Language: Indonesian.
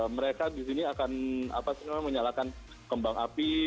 mereka di sini akan menyalakan kembang api